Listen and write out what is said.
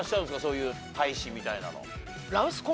そういう大使みたいなの。